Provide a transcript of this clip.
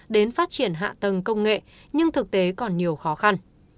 đến phát triển hạ tầng công nghệ nhưng thực tế còn nhiều khó khăn